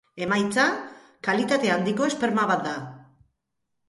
Emaitza kalitate handiko esperma bat da.